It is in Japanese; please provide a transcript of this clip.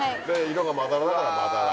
色がまだらだからまだら。